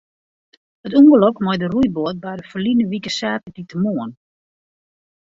It ûngelok mei de roeiboat barde ferline wike saterdeitemoarn.